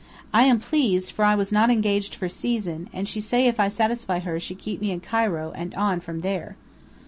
I am pleased, for I was not engaged for season, and she say if I satisfy her she keep me in Cairo and on from there."